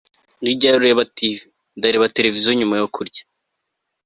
Ni ryari ureba TV Ndareba televiziyo nyuma yo kurya